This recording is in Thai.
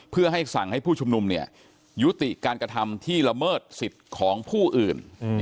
เพื่อให้สั่งให้ผู้ชุมนุมยุติการกระทำที่ละเมิดสิทธิ์ของผู้อื่น